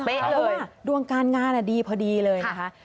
เพราะว่าดวงการงานดีพอดีเลยนะคะ